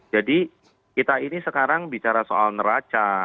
kita ini sekarang bicara soal neraca